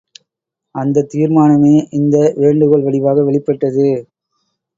அந்தத் தீர்மானமே இந்த வேண்டுகோள் வடிவாக வெளிப்பட்டது.